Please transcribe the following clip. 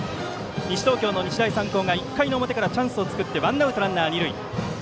西東京の日大三高が１回の表からチャンスを作ってワンアウトランナー、二塁。